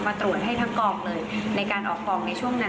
ตรวจให้ทั้งกองเลยในการออกกองในช่วงนั้น